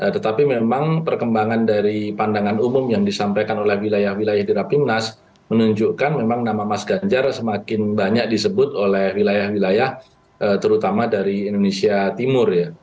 tetapi memang perkembangan dari pandangan umum yang disampaikan oleh wilayah wilayah di rapimnas menunjukkan memang nama mas ganjar semakin banyak disebut oleh wilayah wilayah terutama dari indonesia timur ya